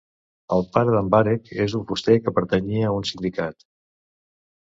El pare d'en Barek és un fuster que pertanyia a un sindicat.